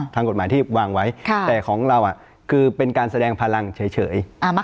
ทางกฎหมายที่วางไว้แต่ของเราคือเป็นการแสดงพลังเฉย